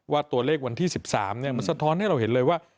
ว่าตัวเลขวันที่๑๓ตรงนี้ประสบธรรมให้เราเห็นเลยว่า